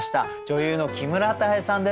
女優の木村多江さんです。